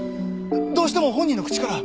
どうしても本人の口から。